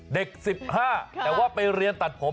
เด็ก๑๕แต่ว่าไปเรียนตัดผม